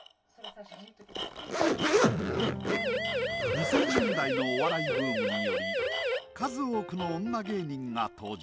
２０００年代のお笑いブームにより数多くの女芸人が登場。